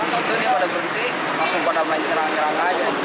dan disitu dia pada berhenti langsung pada main jerang jerang aja